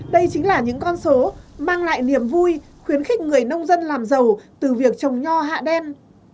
đây chính là những con số mang lại niềm vui khuyến khích người nông dân làm giàu từ việc trồng nho hạ đen